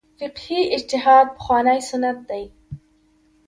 فقهي اجتهاد پخوانی سنت دی.